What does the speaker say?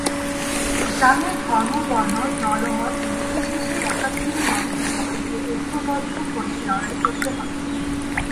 জামিল ধর্মবর্ণ দলমতনির্বিশেষে একাত্তরের মতো সবাইকে ঐক্যবদ্ধ হয়ে লড়াই করতে হবে।